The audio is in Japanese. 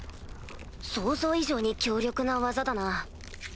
想像以上に強力な技だな。